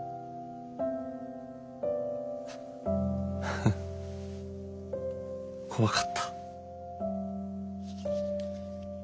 フッ怖かった。